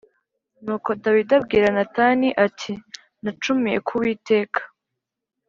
Nuko Dawidi abwira Natani ati “Nacumuye ku Uwiteka.”